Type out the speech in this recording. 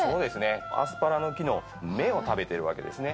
アスパラの木の芽を食べてるわけですね。